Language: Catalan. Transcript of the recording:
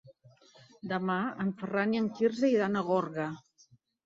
Demà en Ferran i en Quirze iran a Gorga.